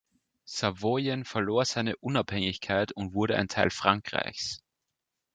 Savoyen verlor seine Unabhängigkeit und wurde ein Teil Frankreichs.